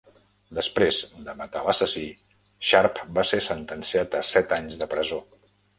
Després de matar l"assassí, Sharp va ser sentenciat a set anys de presó.